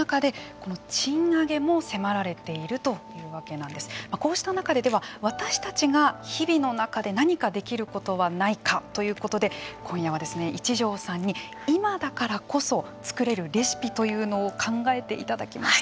こうした中では私たちが日々の中で何かできることはないかということで今夜は一条さんに今だからこそ作れるレシピというのを考えていただきました。